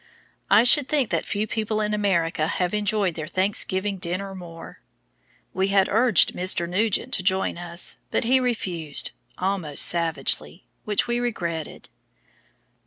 I should think that few people in America have enjoyed their Thanksgiving dinner more. We had urged Mr. Nugent to join us, but he refused, almost savagely, which we regretted.